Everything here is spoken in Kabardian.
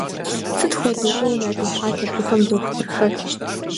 Сыт хуэдэу гугъу ядехьат абыхэм дохутырхэр!